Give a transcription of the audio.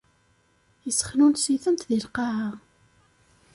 Issexnunes-itent di lqaεa.